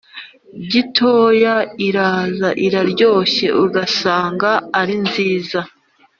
gitoya iraza, iraryoshye ugasanga ari nziza;